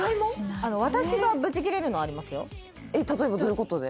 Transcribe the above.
例えばどういうことで？